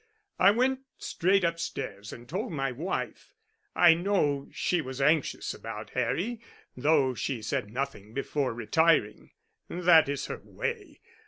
I went straight upstairs and told my wife. I know she was anxious about Harry though she said nothing before retiring that is her way.